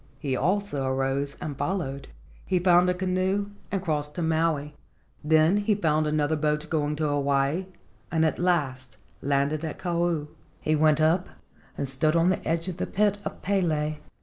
He also arose and followed. He found a canoe and crossed to Maui. Then he found another boat going to Hawaii and at last landed at Kau. He went up and stood on the edge of the pit of Pele.